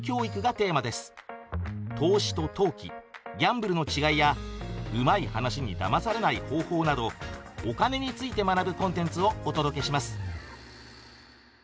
「投資と投機ギャンブルの違い」や「うまい話にダマされない方法」などお金について学ぶコンテンツをお届けします